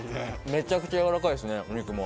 めちゃくちゃやわらかいですねお肉も。